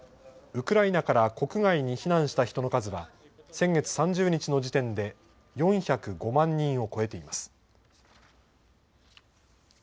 ウクライナから国外に避難した人の数は、先月３０日の時点で、４０５万人を超えています。